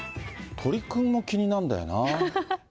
鳥くんも気になるんだよな。